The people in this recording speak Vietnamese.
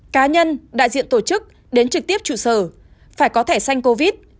cá nhân đại diện tổ chức đến trực tiếp trụ sở phải có thẻ xanh covid